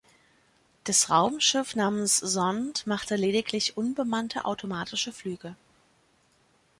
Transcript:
Das Raumschiff namens Zond machte lediglich unbemannte automatische Flüge.